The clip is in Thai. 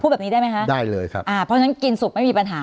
แบบนี้ได้ไหมคะได้เลยครับอ่าเพราะฉะนั้นกินสุกไม่มีปัญหา